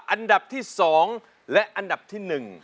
อันดับที่สองและอันดับที่หนึ่ง